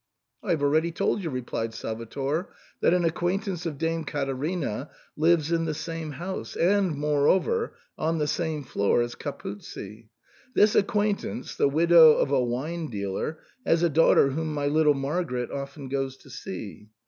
" I have already told you," replied Salvator, " that an acquaintance of Dame Caterina lives in the same house, and moreover, on the same floor as Capuzzi. This ac quaintance, the widow of a wine dealer, has a daughter whom my little Margaret often goes to see.